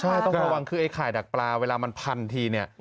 ใช่ต้องระวังคือไอ้ไข่ดักปลาเวลามันพันทีเนี่ย